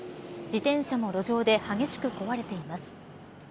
自転車も路上で激しく壊れています。